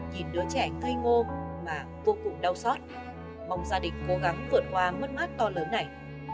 nhìn đứa trẻ cây ngô mà vô cùng đau xót mong gia đình cố gắng vượt qua mất mát to lớn này